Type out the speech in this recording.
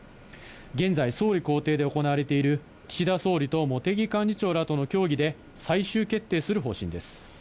現在、総理公邸で行われている、岸田総理と茂木幹事長らとの協議で、最終決定する方針です。